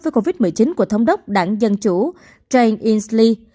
với covid một mươi chín của thống đốc đảng dân chủ jane inslee